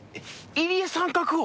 入江さん確保。